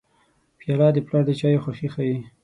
پیاله د پلار د چایو خوښي ښيي.